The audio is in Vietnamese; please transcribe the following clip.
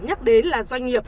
nhắc đến là doanh nghiệp